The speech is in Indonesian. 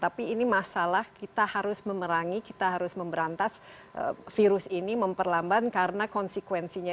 tapi ini masalah kita harus memerangi kita harus memberantas virus ini memperlambat karena konsekuensinya